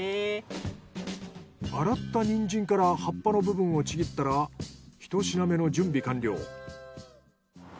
洗ったニンジンから葉っぱの部分をちぎったらひと品目の準備完了。